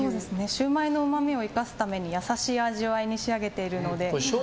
シウマイのうまみを生かすために優しい味わいに仕上げているので。